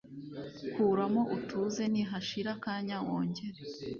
kuramo utuze nihashira akanya wongere,.